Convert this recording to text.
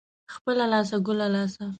خپله لاسه ، گله لاسه.